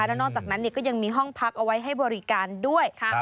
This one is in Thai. แล้วนอกจากนั้นก็ยังมีห้องพักเอาไว้ให้บริการด้วย